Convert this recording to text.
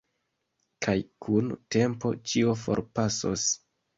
Kaj kun tempo ĉio forpasos.